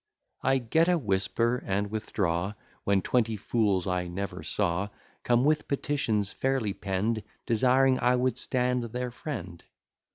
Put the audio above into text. I get a whisper, and withdraw; When twenty fools I never saw Come with petitions fairly penn'd, Desiring I would stand their friend.